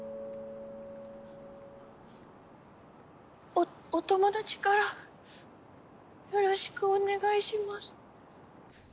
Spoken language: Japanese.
おお友達からよろしくお願いします